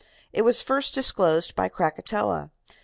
It was first disclosed by Krakatoa.